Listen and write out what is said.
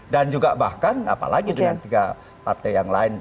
dan juga bahkan apalagi dengan tiga partai yang lain